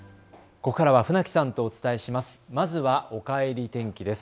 ここからは船木さんとお伝えします。